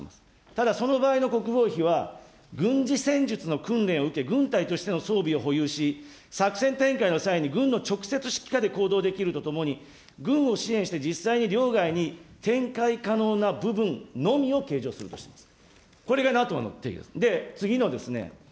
ただ、その場合の国防費は、軍事戦術の訓練を受け、軍隊としての装備を保有し、作戦展開のの直接指揮下で合同できるとともに軍の支援して実際にに展開可能な部分のみを計上するとしています。